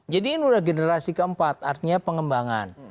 jadi ini udah generasi keempat artinya pengembangan